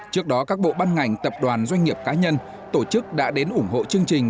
trước đó các bộ ban ngành tập đoàn doanh nghiệp cá nhân tổ chức đã đến ủng hộ chương trình